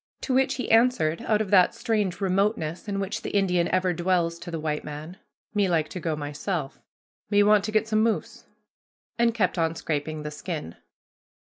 To which he answered out of that strange remoteness in which the Indian ever dwells to the white man, "Me like to go myself; me want to get some moose"; and kept on scraping the skin.